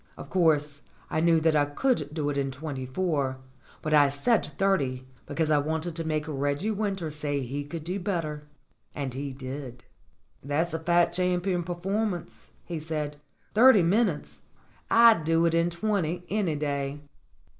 Of course, I knew that I could do it in twenty four, but I said thirty because I wanted to make Reggie Winter say he could do better. And so he did. "That's a fat champion performance," he said. "Thirty minutes ! I'd do it in twenty any day."